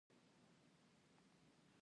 رشوت اخیستل حرام دي